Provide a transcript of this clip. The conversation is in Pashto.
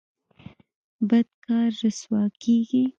بد کار رسوا کیږي